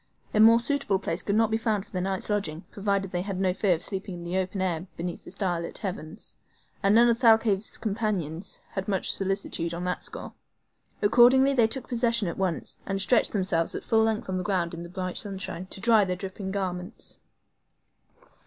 A more suitable place could not be found for their night's lodging, provided they had no fear of sleeping in the open air beneath the star lit heavens; and none of Thalcave's companions had much solicitude on that score. Accordingly they took possession at once, and stretched themselves at full length on the ground in the bright sunshine, to dry their dripping garments.